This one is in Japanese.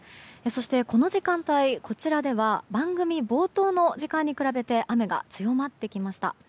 そして、この時間帯、こちらでは番組冒頭の時間に比べて雨が強まってきました。